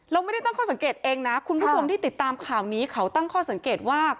เราไม่ได้ตั้งข้อสังเกตเองนะคุณผู้ชมที่ติดตามข่าวนี้เขาตั้งข้อสังเกตว่า